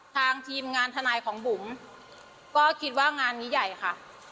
ทางทีมงานทนายของบุ๋มก็คิดว่างานนี้ใหญ่ค่ะ